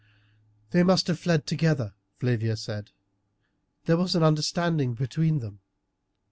"They must have fled together," Flavia said. "There was an understanding between them.